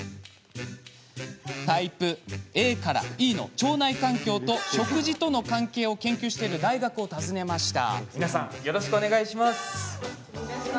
タイプＡからＥの腸内環境と食事との関係を研究している大学を訪ねました。